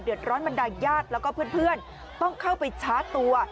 ร้อนบรรดายญาติแล้วก็เพื่อนต้องเข้าไปชาร์จตัว